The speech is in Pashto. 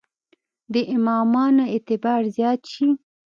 د امامانو اعتبار زیات شي.